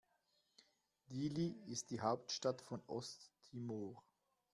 Dili ist die Hauptstadt von Osttimor.